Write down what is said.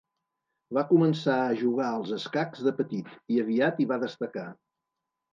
Va començar a jugar als escacs de petit i aviat hi va destacar.